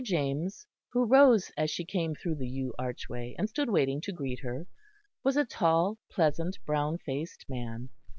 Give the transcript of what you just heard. James, who rose as she came through the yew archway, and stood waiting to greet her, was a tall, pleasant, brown faced man.